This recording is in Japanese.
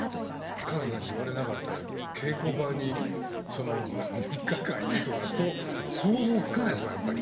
塚原さんに言われなかったら稽古場に３日間いるとか想像つかないですもんやっぱり。